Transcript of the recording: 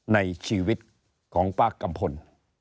ในชีวิตของป้ากัมพล